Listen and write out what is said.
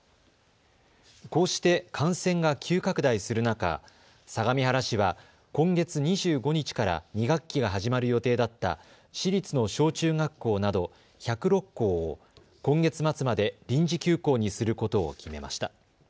こうして感染が急拡大する中、相模原市は今月２５日から２学期が始まる予定だった市立の小中学校など１０６校を今月末まで臨時休校にすることを決めました。